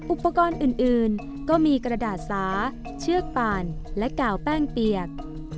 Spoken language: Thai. อุปกรณ์อื่นก็มีกระดาษสาเชือกป่านและกาวแป้งเปียก